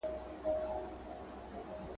چي ملخ ته یې نیژدې کړله مشوکه ,